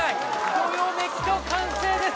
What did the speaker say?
どよめきと歓声です。